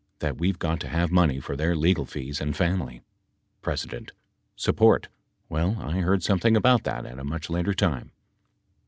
That we've got to have money for their legal fees and family. P. Support. Well, I heard something about that at a much later time.